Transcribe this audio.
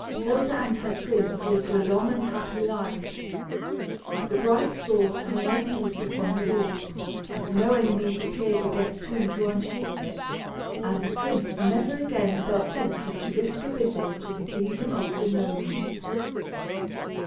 Hilda and her prince lived a long and happy life. The bright sword hung unused upon the wall, as no enemies appeared against whom to unsheath it, and the prince never again felt tempted to risk a visit to the kingdom of the gnomes.